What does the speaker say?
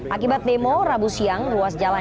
akibat demo rabu siang ruas jalan